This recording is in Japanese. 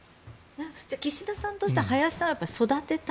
岸田さんとしては林さんを育てたい？